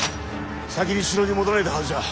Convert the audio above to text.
先に城に戻られたはずじゃ。